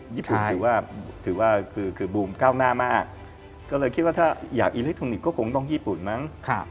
ญี่ปุ่นถือว่าถือว่าคือบูมก้าวหน้ามากก็เลยคิดว่าถ้าอยากอิเล็กทรอนิกส์ก็คงต้องญี่ปุ่นมั้ง